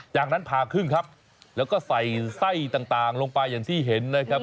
จากนั้นผ่าครึ่งครับแล้วก็ใส่ไส้ต่างลงไปอย่างที่เห็นนะครับ